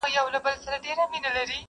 o هر سړى په خپل کور کي پاچا دئ!